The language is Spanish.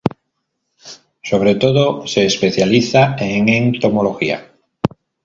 Sobre todo se especializa en entomología.